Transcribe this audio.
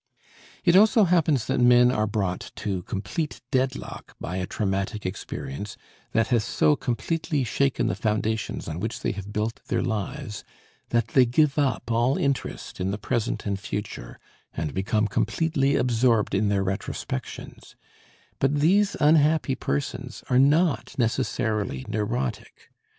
It also happens that men are brought to complete deadlock by a traumatic experience that has so completely shaken the foundations on which they have built their lives that they give up all interest in the present and future, and become completely absorbed in their retrospections; but these unhappy persons are not necessarily neurotic.